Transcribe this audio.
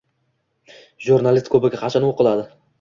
Jurnalist kubogi qachon o'qiladi?